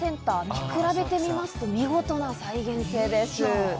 見比べてみますと見事な再現性です。